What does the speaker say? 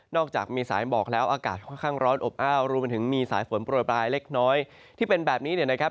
อกจากมีสายหมอกแล้วอากาศค่อนข้างร้อนอบอ้าวรวมไปถึงมีสายฝนโปรยปลายเล็กน้อยที่เป็นแบบนี้เนี่ยนะครับ